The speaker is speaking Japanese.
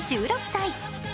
１６歳。